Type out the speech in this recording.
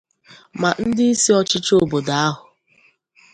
ma ndịisi ọchịchị obodo ahụ